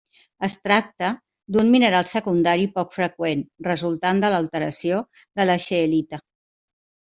Es tracta d'un mineral secundari poc freqüent resultant de l'alteració de la scheelita.